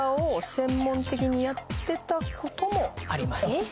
えっ？